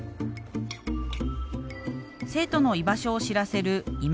生徒の居場所を知らせるイマ